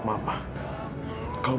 tidak mudah mengikap mama